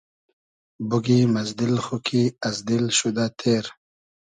بوگیم از دیل خو کی از دیل شودۂ تېر